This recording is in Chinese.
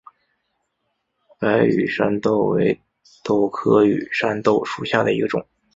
白羽扇豆为豆科羽扇豆属下的一个种。